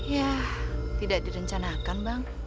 ya tidak direncanakan bang